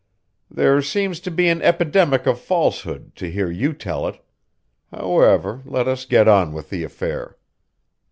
"There seems to be an epidemic of falsehood, to hear you tell it. However, let us get on with the affair."